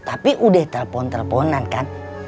tapi udah telepon teleponan kan